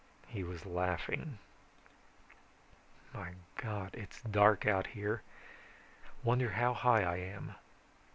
He was laughing ... "My God, it's dark out here. Wonder how high I am.